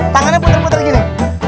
tangannya putar putar gini